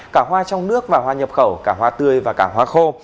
cả hoa trong nước và hoa nhập khẩu cả hoa tươi và cả hoa khô